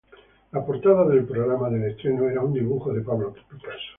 La portada del programa del estreno era un dibujo de Pablo Picasso.